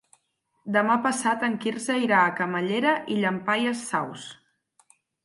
Demà passat en Quirze irà a Camallera i Llampaies Saus.